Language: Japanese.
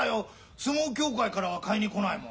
相撲協会からは買いに来ないもん。